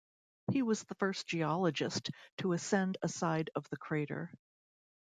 He was the first geologist to ascend a side of the crater.